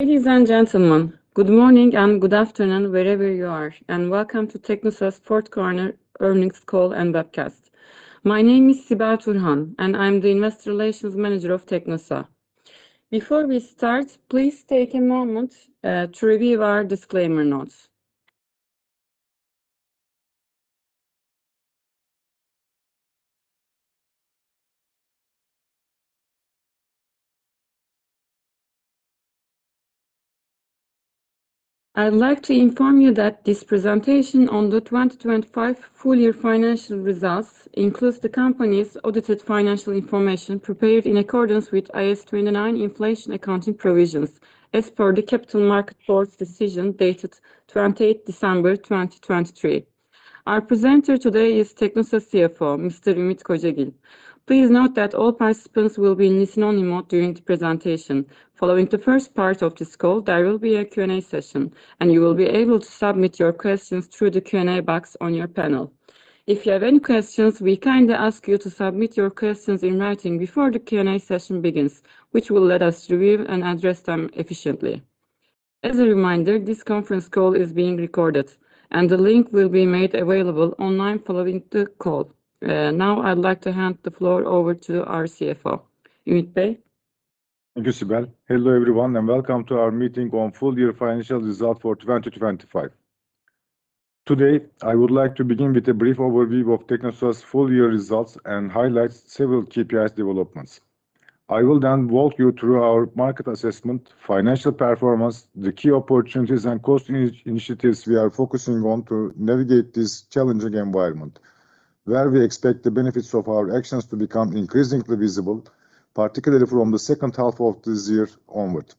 Ladies and gentlemen, good morning and good afternoon, wherever you are, and welcome to Teknosa's fourth quarter earnings call and webcast. My name is Sibel Turhan, and I'm the Investor Relations Manager of Teknosa. Before we start, please take a moment to review our disclaimer notes. I'd like to inform you that this presentation on the 2025 full year financial results includes the company's audited financial information, prepared in accordance with IAS 29 inflation accounting provisions, as per the Capital Markets Board's decision, dated 28 December 2023. Our presenter today is Teknosa CFO, Mr. Ümit Kocagil. Please note that all participants will be in listen-only mode during the presentation. Following the first part of this call, there will be a Q&A session, and you will be able to submit your questions through the Q&A box on your panel. If you have any questions, we kindly ask you to submit your questions in writing before the Q&A session begins, which will let us review and address them efficiently. As a reminder, this conference call is being recorded, and the link will be made available online following the call. Now, I'd like to hand the floor over to our CFO, Ümit Bey. Thank you, Sibel. Hello, everyone, and welcome to our meeting on full year financial results for 2025. Today, I would like to begin with a brief overview of Teknosa's full year results and highlight several KPI developments. I will then walk you through our market assessment, financial performance, the key opportunities and cost initiatives we are focusing on to navigate this challenging environment, where we expect the benefits of our actions to become increasingly visible, particularly from the second half of this year onward.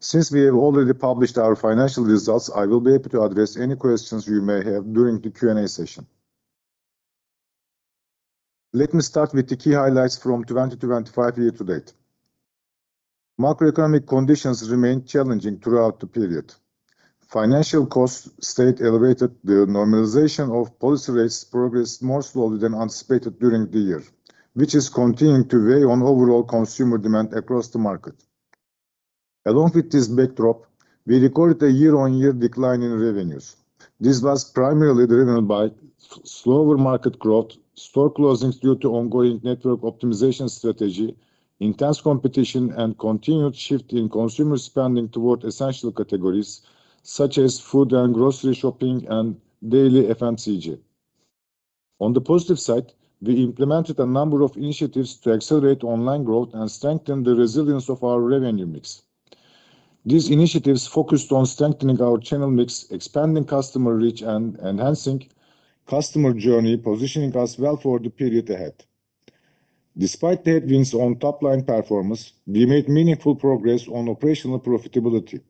Since we have already published our financial results, I will be happy to address any questions you may have during the Q&A session. Let me start with the key highlights from 2025 year to date. Macroeconomic conditions remained challenging throughout the period. Financial costs stayed elevated. The normalization of policy rates progressed more slowly than anticipated during the year, which is continuing to weigh on overall consumer demand across the market. Along with this backdrop, we recorded a year-on-year decline in revenues. This was primarily driven by slower market growth, store closings due to ongoing network optimization strategy, intense competition, and continued shift in consumer spending toward essential categories, such as food and grocery shopping, and daily FMCG. On the positive side, we implemented a number of initiatives to accelerate online growth and strengthen the resilience of our revenue mix. These initiatives focused on strengthening our channel mix, expanding customer reach, and enhancing customer journey, positioning us well for the period ahead. Despite the headwinds on top-line performance, we made meaningful progress on operational profitability.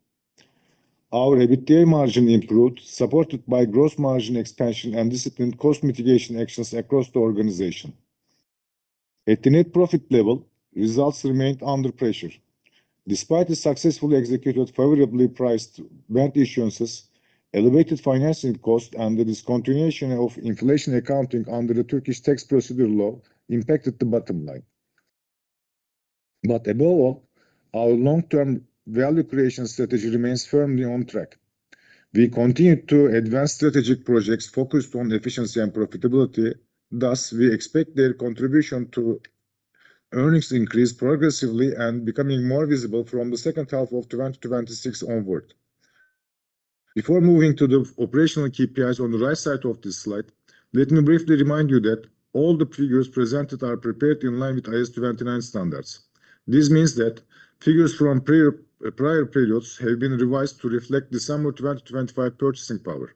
Our EBITDA margin improved, supported by gross margin expansion and disciplined cost mitigation actions across the organization. At the net profit level, results remained under pressure. Despite the successfully executed, favorably priced rent insurances, elevated financing costs, and the discontinuation of inflation accounting under the Turkish Tax Procedure Law impacted the bottom line. Above all, our long-term value creation strategy remains firmly on track. We continue to advance strategic projects focused on efficiency and profitability. Thus, we expect their contribution to earnings increase progressively and becoming more visible from the second half of 2026 onward. Before moving to the operational KPIs on the right side of this slide, let me briefly remind you that all the figures presented are prepared in line with IAS 29 standards. This means that figures from prior periods have been revised to reflect December 2025 purchasing power.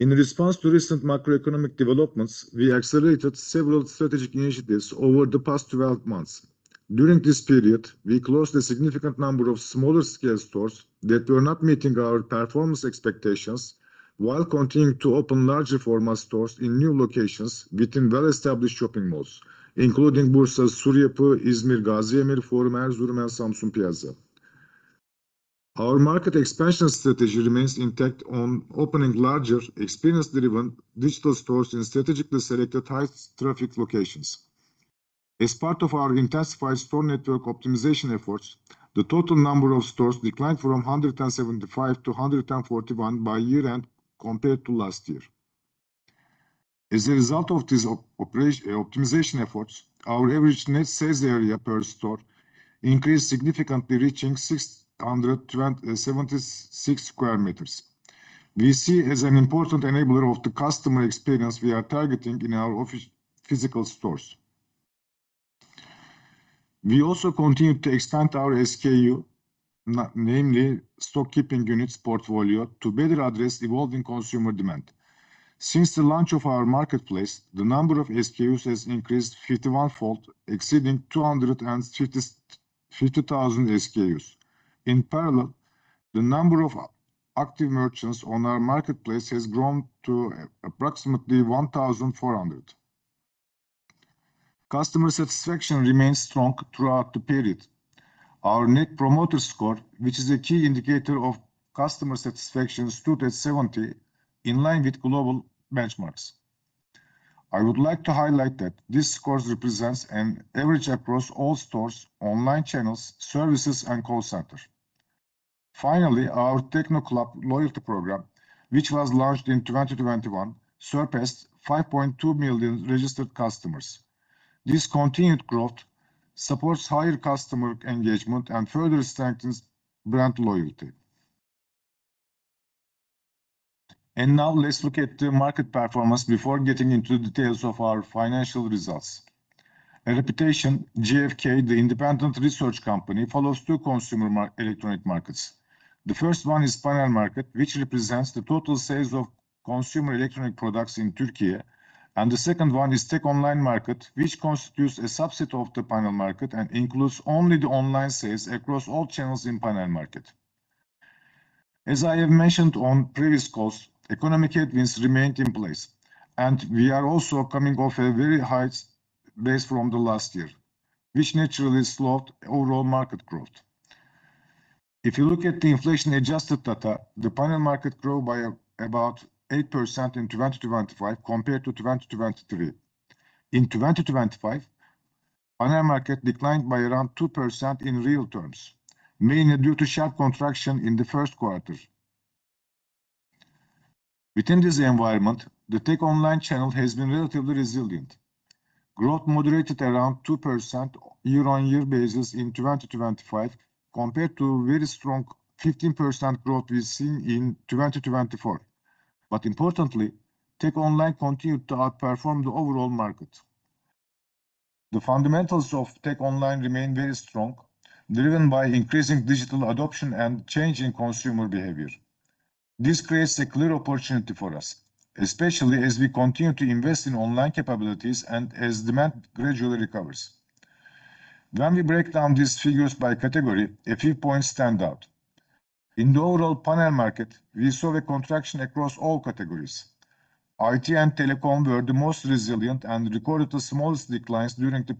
In response to recent macroeconomic developments, we accelerated several strategic initiatives over the past 12 months. During this period, we closed a significant number of smaller scale stores that were not meeting our performance expectations, while continuing to open larger format stores in new locations within well-established shopping malls, including Bursa Suriye, Izmir Gaziemir Forum, Erzurum, and Samsun Piazza. Our market expansion strategy remains intact on opening larger, experience-driven digital stores in strategically selected high traffic locations. As part of our intensified store network optimization efforts, the total number of stores declined from 175 to 141 by year-end, compared to last year. As a result of these optimization efforts, our average net sales area per store increased significantly, reaching 676 sq m. We see as an important enabler of the customer experience we are targeting in our physical stores. We also continued to expand our SKU, namely, stock keeping units portfolio, to better address evolving consumer demand. Since the launch of our marketplace, the number of SKUs has increased 51-fold, exceeding 250,000 SKUs. In parallel, the number of active merchants on our marketplace has grown to approximately 1,400. Customer satisfaction remained strong throughout the period. Our Net Promoter Score, which is a key indicator of customer satisfaction, stood at 70, in line with global benchmarks. I would like to highlight that this score represents an average across all stores, online channels, services, and call center. Finally, our Techno Club loyalty program, which was launched in 2021, surpassed 5.2 million registered customers. This continued growth supports higher customer engagement and further strengthens brand loyalty. Now let's look at the market performance before getting into details of our financial results. A reputation, GfK, the independent research company, follows two consumer electronic markets. The first one is panel market, which represents the total sales of consumer electronic products in Turkey, the second one is tech online market, which constitutes a subset of the panel market and includes only the online sales across all channels in panel market. As I have mentioned on previous calls, economic headwinds remained in place, we are also coming off a very high base from the last year, which naturally slowed overall market growth. If you look at the inflation-adjusted data, the panel market grew by about 8% in 2025 compared to 2023. In 2025, panel market declined by around 2% in real terms, mainly due to sharp contraction in the 1st quarter. Within this environment, the tech online channel has been relatively resilient. Growth moderated around 2% year-on-year basis in 2025, compared to very strong 15% growth we've seen in 2024. Importantly, tech online continued to outperform the overall market. The fundamentals of tech online remain very strong, driven by increasing digital adoption and change in consumer behavior. This creates a clear opportunity for us, especially as we continue to invest in online capabilities and as demand gradually recovers. When we break down these figures by category, a few points stand out. In the overall panel market, we saw a contraction across all categories. IT and telecom were the most resilient and recorded the smallest declines during the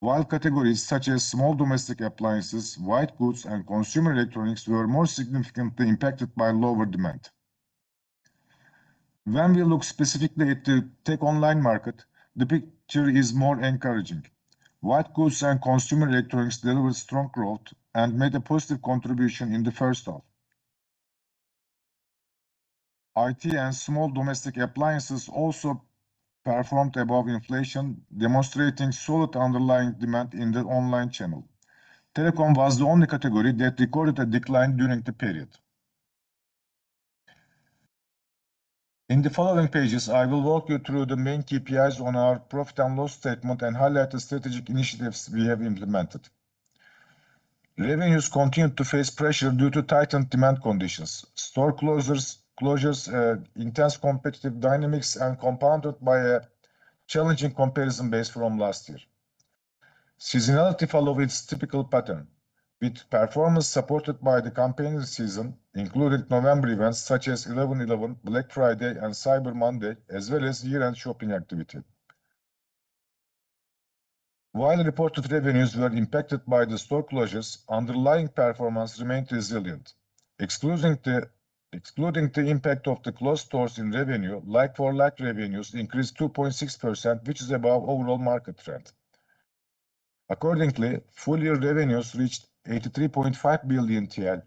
period. While categories such as small domestic appliances, white goods, and consumer electronics were more significantly impacted by lower demand. When we look specifically at the tech online market, the picture is more encouraging. White goods and consumer electronics delivered strong growth and made a positive contribution in the first half. IT and small domestic appliances also performed above inflation, demonstrating solid underlying demand in the online channel. Telecom was the only category that recorded a decline during the period. In the following pages, I will walk you through the main KPIs on our profit and loss statement and highlight the strategic initiatives we have implemented. Revenues continued to face pressure due to tightened demand conditions, store closures, intense competitive dynamics, and compounded by a challenging comparison base from last year. Seasonality followed its typical pattern, with performance supported by the campaign season, including November events such as 11.11, Black Friday, and Cyber Monday, as well as year-end shopping activity. While the reported revenues were impacted by the store closures, underlying performance remained resilient. Excluding the impact of the closed stores in revenue, like for like revenues increased 2.6%, which is above overall market trend. Accordingly, full-year revenues reached 83.5 billion TL.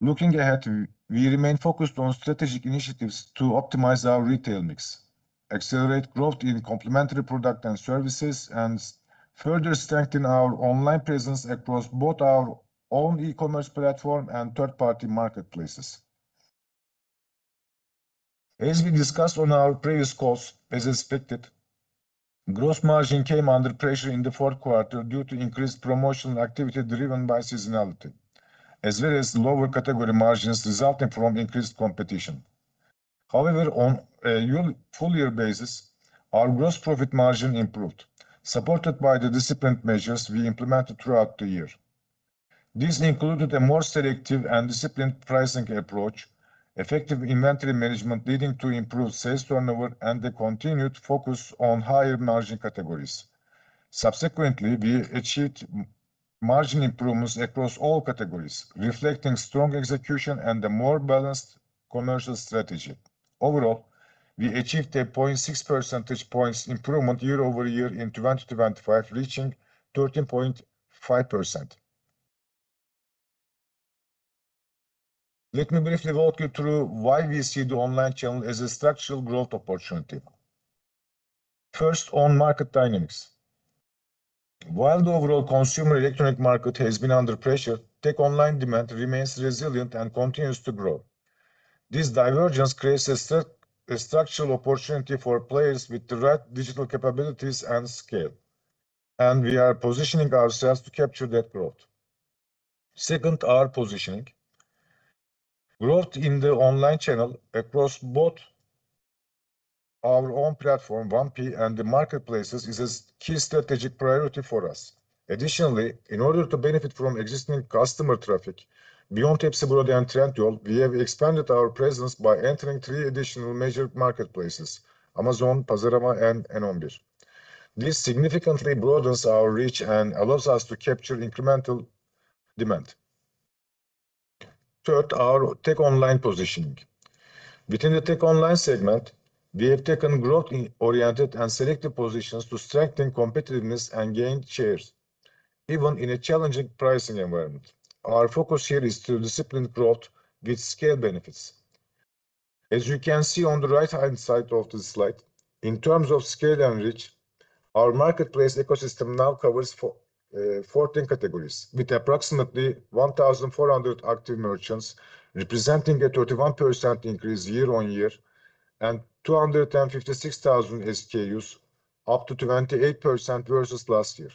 Looking ahead, we remain focused on strategic initiatives to optimize our retail mix, accelerate growth in complementary product and services, and further strengthen our online presence across both our own e-commerce platform and third-party marketplaces. As we discussed on our previous calls, as expected, gross margin came under pressure in the fourth quarter due to increased promotional activity driven by seasonality, as well as lower category margins resulting from increased competition. However, on a full-year basis, our gross profit margin improved, supported by the disciplined measures we implemented throughout the year. These included a more selective and disciplined pricing approach, effective inventory management, leading to improved sales turnover, a continued focus on higher-margin categories. Subsequently, we achieved margin improvements across all categories, reflecting strong execution and a more balanced commercial strategy. Overall, we achieved a 0.6 percentage points improvement year-over-year in 2025, reaching 13.5%. Let me briefly walk you through why we see the online channel as a structural growth opportunity. First, on market dynamics. While the overall consumer electronic market has been under pressure, tech online demand remains resilient and continues to grow. This divergence creates a structural opportunity for players with the right digital capabilities and scale, we are positioning ourselves to capture that growth. Second, our positioning. Growth in the online channel across both our own platform, VanPi, and the marketplaces is a key strategic priority for us. Additionally, in order to benefit from existing customer traffic, beyond Hepsiburada and Trendyol, we have expanded our presence by entering 3 additional measured marketplaces: Amazon, Pazarama, and N11. This significantly broadens our reach and allows us to capture incremental demand. Third, our tech online positioning. Within the tech online segment, we have taken growth in oriented and selective positions to strengthen competitiveness and gain shares, even in a challenging pricing environment. Our focus here is to discipline growth with scale benefits. As you can see on the right-hand side of this slide, in terms of scale and reach, our marketplace ecosystem now covers 14 categories, with approximately 1,400 active merchants, representing a 31% increase year-on-year, and 256,000 SKUs, up to 28% versus last year.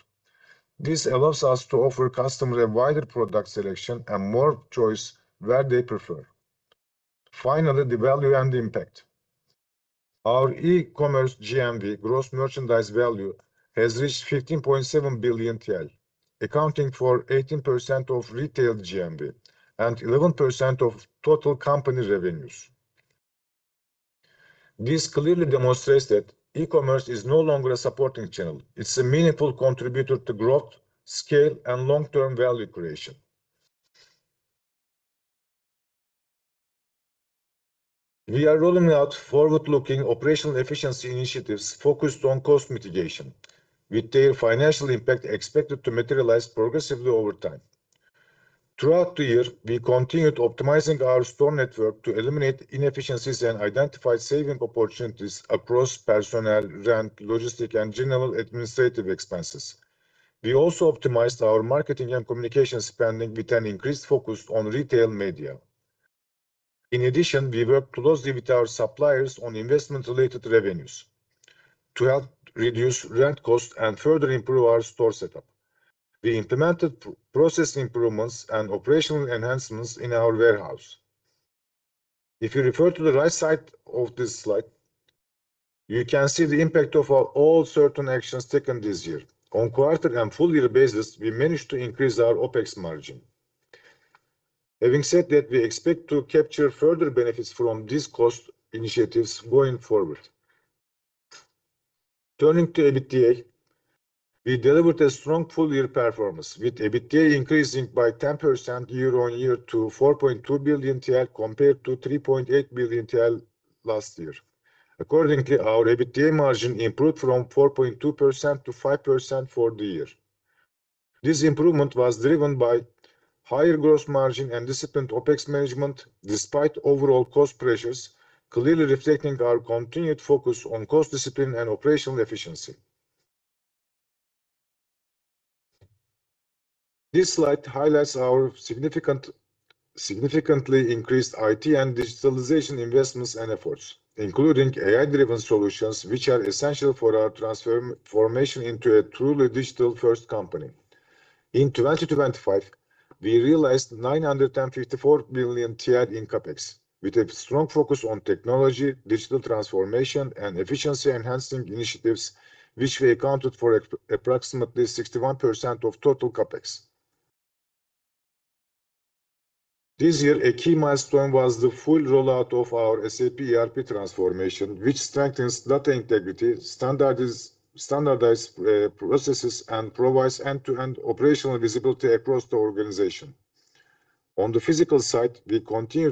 This allows us to offer customers a wider product selection and more choice where they prefer. Finally, the value and impact. Our e-commerce GMV, Gross Merchandise Value, has reached 15.7 billion TL, accounting for 18% of retail GMV and 11% of total company revenues. This clearly demonstrates that e-commerce is no longer a supporting channel, it's a meaningful contributor to growth, scale, and long-term value creation. We are rolling out forward-looking operational efficiency initiatives focused on cost mitigation, with their financial impact expected to materialize progressively over time. Throughout the year, we continued optimizing our store network to eliminate inefficiencies and identify saving opportunities across personnel, rent, logistic, and general administrative expenses. We also optimized our marketing and communication spending with an increased focus on retail media. In addition, we worked closely with our suppliers on investment-related revenues to help reduce rent costs and further improve our store setup. We implemented pro-process improvements and operational enhancements in our warehouse. If you refer to the right side of this slide, you can see the impact of our all certain actions taken this year. On quarter and full year basis, we managed to increase our OpEx margin. Having said that, we expect to capture further benefits from these cost initiatives going forward. Turning to EBITDA, we delivered a strong full year performance, with EBITDA increasing by 10% year-on-year to 4.2 billion TL, compared to 3.8 billion TL last year. Accordingly, our EBITDA margin improved from 4.2% to 5% for the year. This improvement was driven by higher gross margin and disciplined OpEx management, despite overall cost pressures, clearly reflecting our continued focus on cost discipline and operational efficiency. This slide highlights our significantly increased IT and digitalization investments and efforts, including AI-driven solutions, which are essential for our transformation into a truly digital-first company. In 2025, we realized 954 billion in CapEx, with a strong focus on technology, digital transformation, and efficiency-enhancing initiatives, which we accounted for approximately 61% of total CapEx. This year, a key milestone was the full rollout of our SAP ERP transformation, which strengthens data integrity, standardized processes, and provides end-to-end operational visibility across the organization. On the physical side, we continue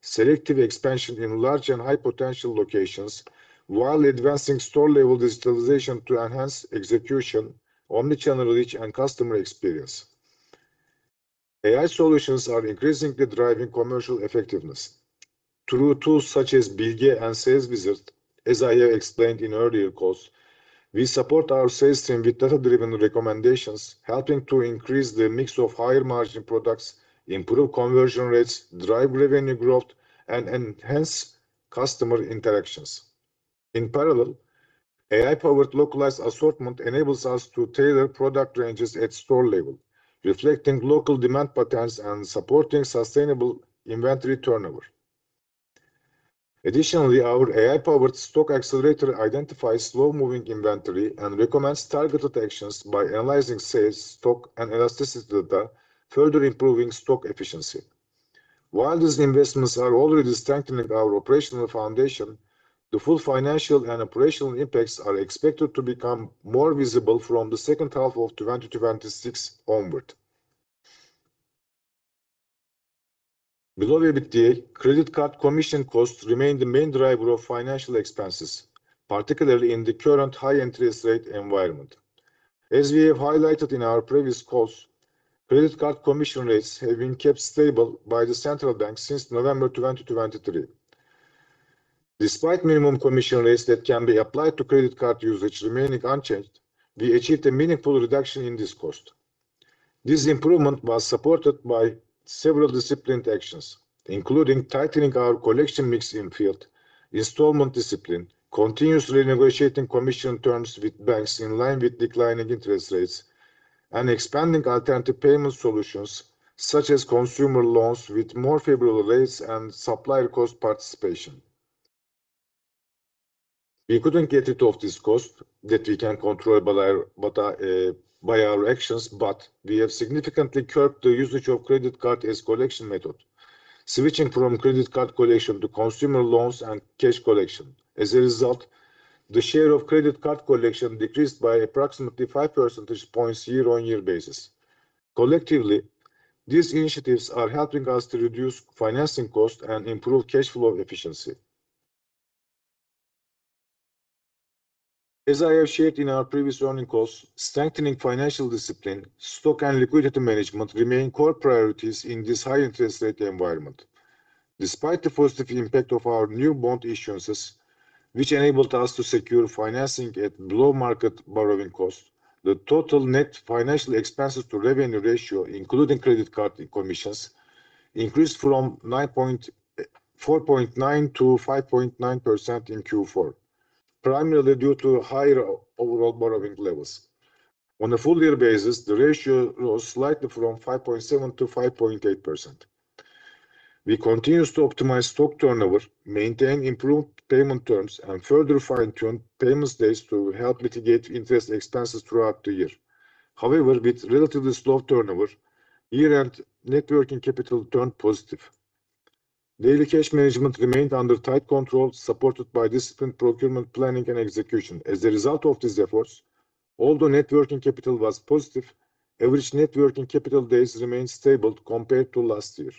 selective expansion in large and high-potential locations, while advancing store-level digitalization to enhance execution, omni-channel reach, and customer experience. AI solutions are increasingly driving commercial effectiveness. Through tools such as Bilge and Sales Wizard, as I have explained in earlier calls, we support our sales team with data-driven recommendations, helping to increase the mix of higher-margin products, improve conversion rates, drive revenue growth, and enhance customer interactions. AI-powered localized assortment enables us to tailor product ranges at store level, reflecting local demand patterns and supporting sustainable inventory turnover. Our AI-powered stock accelerator identifies slow-moving inventory and recommends targeted actions by analyzing sales, stock, and elasticity data, further improving stock efficiency. While these investments are already strengthening our operational foundation, the full financial and operational impacts are expected to become more visible from the second half of 2026 onward. Below EBITDA, credit card commission costs remain the main driver of financial expenses, particularly in the current high interest rate environment. As we have highlighted in our previous calls, credit card commission rates have been kept stable by the central bank since November 2023. Despite minimum commission rates that can be applied to credit card usage remaining unchanged, we achieved a meaningful reduction in this cost. This improvement was supported by several disciplined actions, including tightening our collection mix in field, installment discipline, continuously negotiating commission terms with banks in line with declining interest rates, and expanding alternative payment solutions, such as consumer loans with more favorable rates and supplier cost participation. We couldn't get rid of this cost that we can control by our, by the, by our actions, but we have significantly curbed the usage of credit card as collection method, switching from credit card collection to consumer loans and cash collection. As a result, the share of credit card collection decreased by approximately 5 percentage points year-on-year basis. Collectively, these initiatives are helping us to reduce financing costs and improve cash flow efficiency. As I have shared in our previous earnings calls, strengthening financial discipline, stock, and liquidity management remain core priorities in this high interest rate environment. Despite the positive impact of our new bond issuances, which enabled us to secure financing at below market borrowing costs, the total net financial expenses to revenue ratio, including credit card commissions, increased from 4.9% to 5.9% in Q4, primarily due to higher overall borrowing levels. On a full year basis, the ratio rose slightly from 5.7% to 5.8%. We continue to optimize stock turnover, maintain improved payment terms, and further fine-tune payment days to help mitigate interest expenses throughout the year. With relatively slow turnover, year-end net working capital turned positive. Daily cash management remained under tight control, supported by disciplined procurement, planning, and execution. As a result of these efforts, although net working capital was positive, average net working capital days remained stable compared to last year.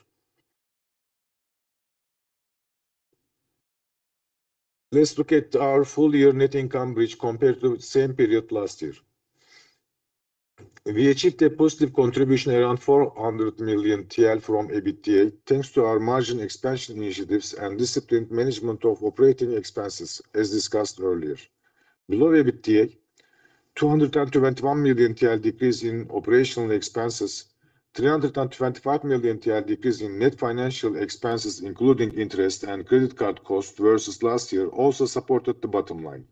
Let's look at our full year net income, which compared to the same period last year. We achieved a positive contribution around 400 million TL from EBITDA, thanks to our margin expansion initiatives and disciplined management of operating expenses, as discussed earlier. Below EBITDA, 221 million TL decrease in operational expenses, 325 million TL decrease in net financial expenses, including interest and credit card costs versus last year, also supported the bottom line.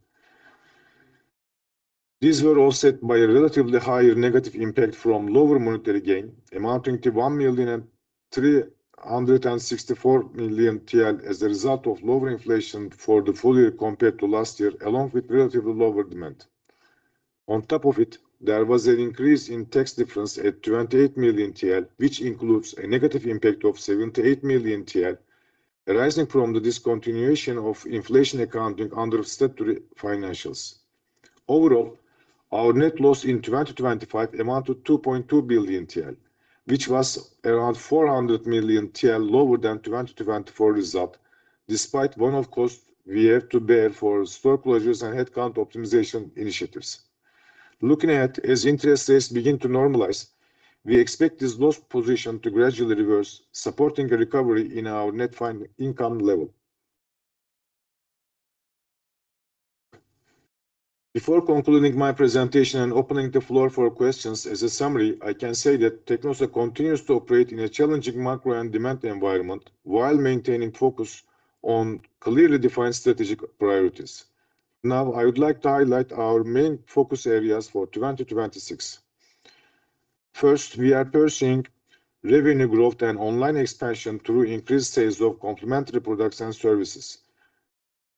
These were all set by a relatively higher negative impact from lower monetary gain, amounting to 365 million as a result of lower inflation for the full year compared to last year, along with relatively lower demand. On top of it, there was an increase in tax difference at 28 million TL, which includes a negative impact of 78 million TL, arising from the discontinuation of inflation accounting under statutory financials. Overall, our net loss in 2025 amounted to 2.2 billion TL, which was around 400 million TL lower than 2024 result, despite one-off costs we have to bear for store closures and headcount optimization initiatives. Looking ahead, as interest rates begin to normalize, we expect this loss position to gradually reverse, supporting a recovery in our net income level. Before concluding my presentation and opening the floor for questions, as a summary, I can say that Teknosa continues to operate in a challenging macro and demand environment, while maintaining focus on clearly defined strategic priorities. Now, I would like to highlight our main focus areas for 2026. First, we are pursuing revenue growth and online expansion through increased sales of complementary products and services.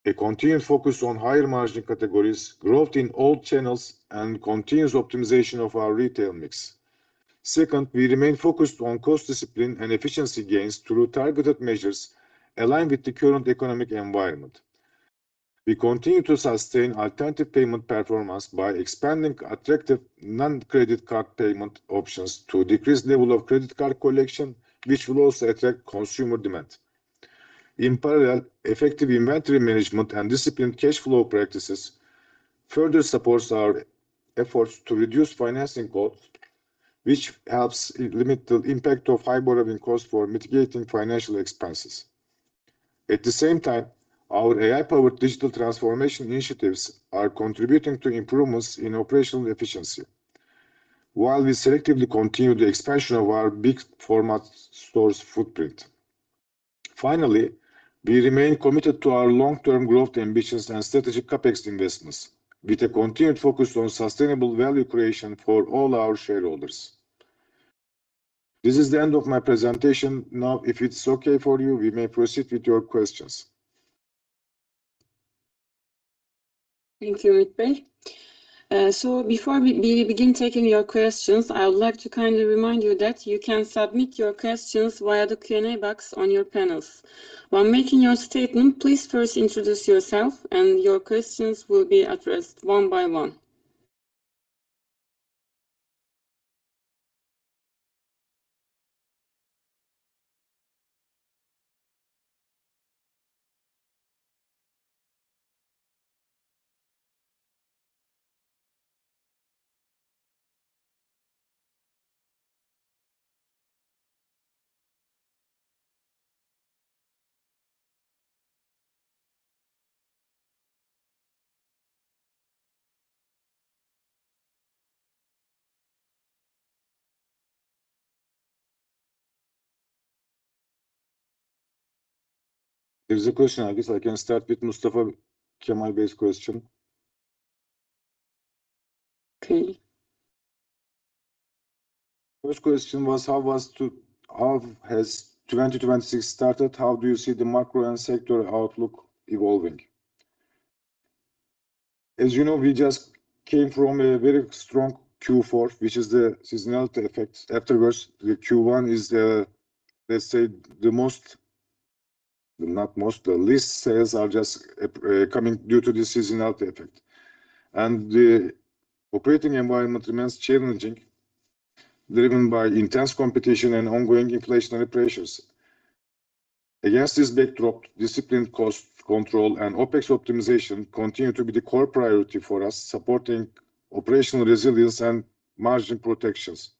A continued focus on higher margin categories, growth in all channels, and continuous optimization of our retail mix. Second, we remain focused on cost discipline and efficiency gains through targeted measures aligned with the current economic environment. We continue to sustain alternative payment performance by expanding attractive non-credit card payment options to decrease level of credit card collection, which will also attract consumer demand. In parallel, effective inventory management and disciplined cash flow practices further supports our efforts to reduce financing costs, which helps limit the impact of high borrowing costs for mitigating financial expenses. At the same time, our AI-powered digital transformation initiatives are contributing to improvements in operational efficiency. While we selectively continue the expansion of our big format stores footprint. Finally, we remain committed to our long-term growth ambitions and strategic CapEx investments, with a continued focus on sustainable value creation for all our shareholders. This is the end of my presentation. Now, if it's okay for you, we may proceed with your questions. Thank you, Ümit Bey. Before we begin taking your questions, I would like to kindly remind you that you can submit your questions via the Q&A box on your panels. While making your statement, please first introduce yourself. Your questions will be addressed one by one. There's a question. I guess I can start with Mustafa Kemal Bey's question. Okay. First question was: How has 2026 started? How do you see the macro and sector outlook evolving? You know, we just came from a very strong Q4, which is the seasonality effect. Afterwards, the Q1 is the, let's say, the least sales are just coming due to the seasonality effect. The operating environment remains challenging, driven by intense competition and ongoing inflationary pressures. Against this backdrop, disciplined cost control and OpEx optimization continue to be the core priority for us, supporting operational resilience and margin protections.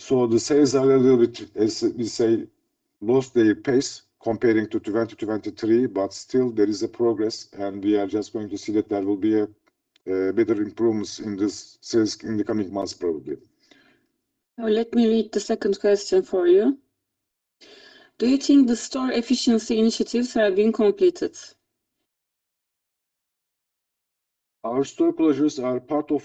The sales are a little bit, as we say, lost their pace comparing to 2023, still there is a progress, we are just going to see that there will be a better improvements in this sales in the coming months, probably. Let me read the second question for you. Do you think the store efficiency initiatives have been completed? Our store closures are part of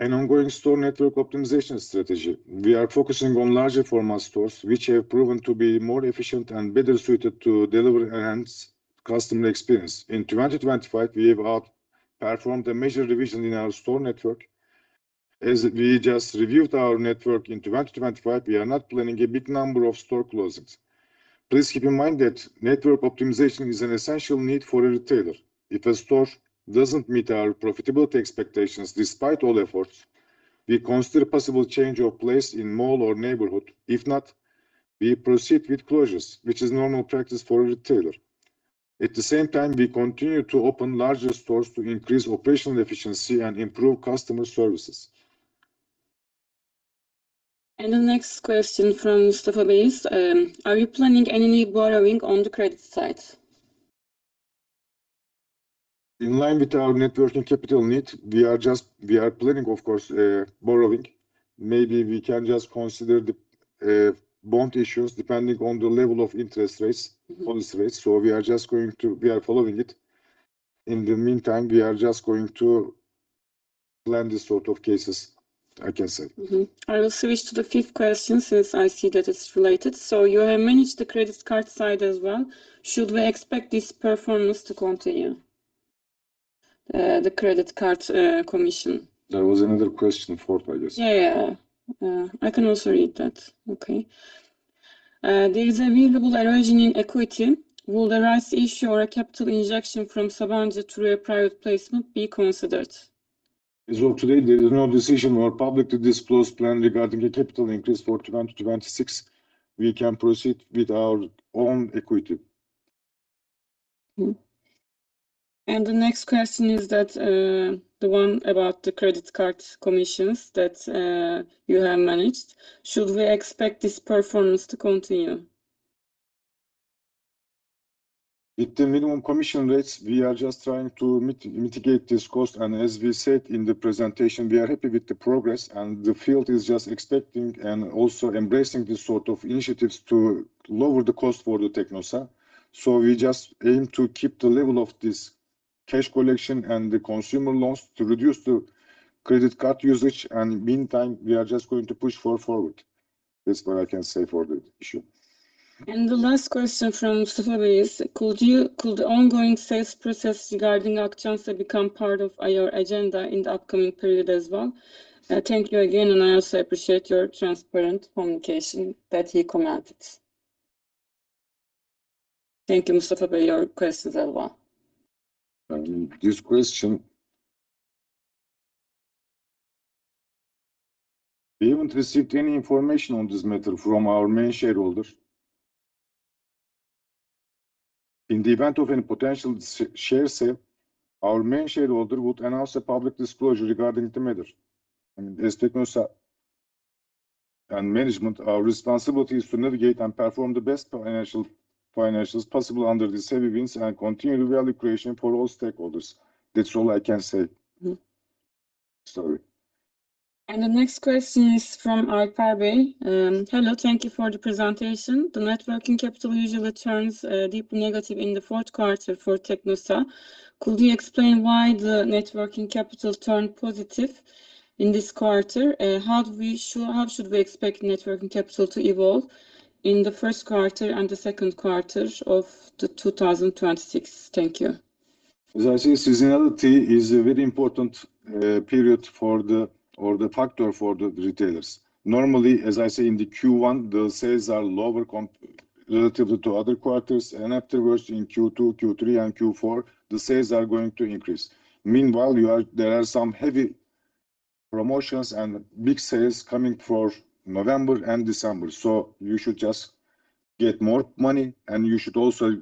an ongoing store network optimization strategy. We are focusing on larger format stores, which have out-performed to be more efficient and better suited to deliver enhanced customer experience. In 2025, we have out-performed a major revision in our store network. As we just reviewed our network in 2025, we are not planning a big number of store closings. Please keep in mind that network optimization is an essential need for a retailer. If a store doesn't meet our profitability expectations, despite all efforts, we consider possible change of place in mall or neighborhood. If not, we proceed with closures, which is normal practice for a retailer. At the same time, we continue to open larger stores to increase operational efficiency and improve customer services. The next question from Mustafa Bay is, are you planning any borrowing on the credit side? In line with our net working capital need, we are planning, of course, borrowing. Maybe we can just consider the bond issues depending on the level of interest rates. Mm-hmm. on this rates. We are following it. In the meantime, we are just going to plan this sort of cases, I can say. I will switch to the fifth question since I see that it's related. You have managed the credit card side as well. Should we expect this performance to continue, the credit card commission? There was another question fourth, I guess. Yeah, yeah. I can also read that. Okay. There is a visible erosion in equity. Will the rights issue or a capital injection from Sabancı through a private placement be considered? As of today, there is no decision or publicly disclosed plan regarding a capital increase for 2026. We can proceed with our own equity. The next question is that, the one about the credit card commissions that, you have managed. Should we expect this performance to continue? With the minimum commission rates, we are just trying to mitigate this cost. As we said in the presentation, we are happy with the progress. The field is just expecting and also embracing this sort of initiatives to lower the cost for the Teknosa. We just aim to keep the level of this cash collection and the consumer loans to reduce the credit card usage. Meantime, we are just going to push far forward. That's what I can say for the issue. The last question from Mustafa Bay is: Could the ongoing sales process regarding Akçansa become part of your agenda in the upcoming period as well? Thank you again, and I also appreciate your transparent communication, that he commented. Thank you, Mustafa Bay, your questions as well. This question, we haven't received any information on this matter from our main shareholder. In the event of any potential share sale, our main shareholder would announce a public disclosure regarding the matter. As Teknosa and management, our responsibility is to navigate and perform the best financials possible under these headwinds and continue the value creation for all stakeholders. That's all I can say. Mm-hmm. Sorry. The next question is from Alper Bay. hello, thank you for the presentation. The networking capital usually turns deeply negative in the fourth quarter for Teknosa. Could you explain why the networking capital turned positive in this quarter? how should we expect networking capital to evolve in the first quarter and the second quarter of 2026? Thank you. As I say, seasonality is a very important, or the factor for the retailers. Normally, as I say, in the Q1, the sales are lower relatively to other quarters, and afterwards in Q2, Q3, and Q4, the sales are going to increase. Meanwhile, there are some heavy promotions and big sales coming for November and December, so you should just get more money, and you should also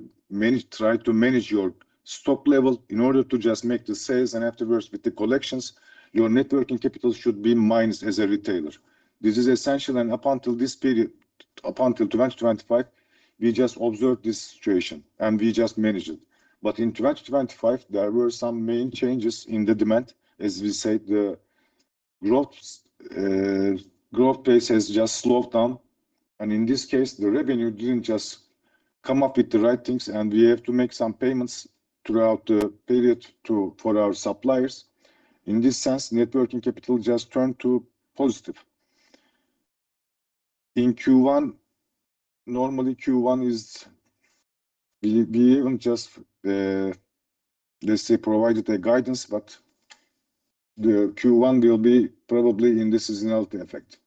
try to manage your stock level in order to just make the sales. Afterwards, with the collections, your networking capital should be mined as a retailer. This is essential, and up until this period, up until 2025, we just observed this situation, and we just managed it. In 2025, there were some main changes in the demand. As we said, the growth pace has just slowed down. In this case, the revenue didn't just come up with the right things. We have to make some payments throughout the period for our suppliers. In this sense, networking capital just turned to positive. In Q1, normally, Q1 is. We even just, let's say, provided a guidance, but the Q1 will be probably in the seasonality effect.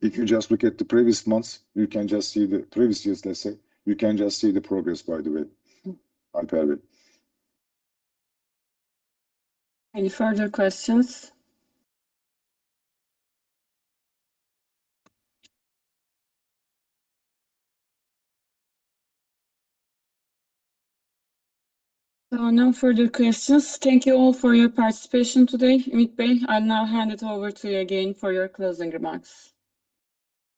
If you just look at the previous months, you can just see the previous years, let's say. You can just see the progress, by the way. Alper Bay. Any further questions? No further questions. Thank you all for your participation today. Ümit Bey, I'll now hand it over to you again for your closing remarks.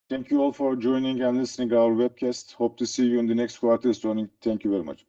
Thank you all for joining and listening to our webcast. Hope to see you in the next quarter's earning. Thank you very much.